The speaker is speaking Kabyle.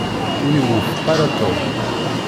Ur iwufeq ara Tom.